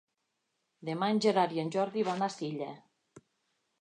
Demà en Gerard i en Jordi van a Silla.